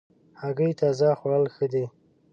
هګۍ تازه خوړل ښه دي.